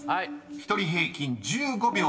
［１人平均１５秒３］